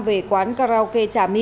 về quán karaoke trà my